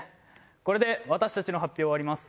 これで私たちの発表を終わります。